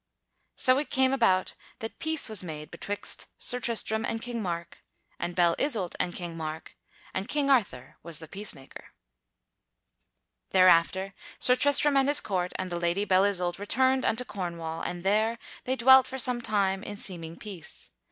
So it came about that peace was made betwixt Sir Tristram and King Mark, and Belle Isoult and King Mark, and King Arthur was the peacemaker. [Sidenote: Belle Isoult scorns King Mark] Thereafter Sir Tristram and his court and the Lady Belle Isoult returned unto Cornwall, and there they dwelt for some time in seeming peace.